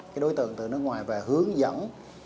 cái đối tượng từ nước ngoài về hướng dẫn